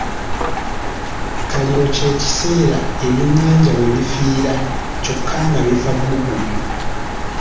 Kaliro kye kiseera ebyennyanja we bifiira kyokka nga bifa bbugumu.